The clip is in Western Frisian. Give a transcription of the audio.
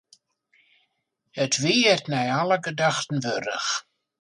It wie it nei alle gedachten wurdich.